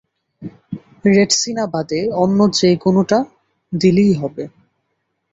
Retsina বাদে অন্য যে কোনোটা দিলেই চলবে।